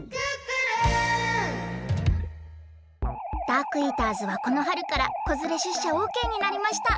ダークイーターズはこのはるからこづれしゅっしゃオーケーになりました。